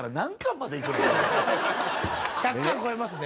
１００巻超えますね。